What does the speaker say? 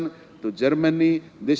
dan kemudian ke swiss